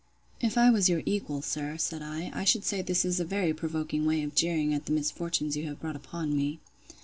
If I was your equal, sir, said I, I should say this is a very provoking way of jeering at the misfortunes you have brought upon me.